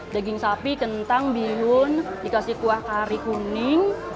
daging sapi kentang bihun dikasih kuah kari kuning